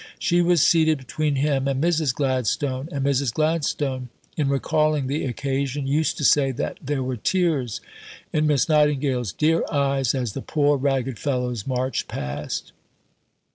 She was seated between him and Mrs. Gladstone, and Mrs. Gladstone, in recalling the occasion, used to say that "there were tears in Miss Nightingale's dear eyes as the poor ragged fellows marched past."